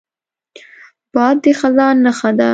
باد د خزان نښه ده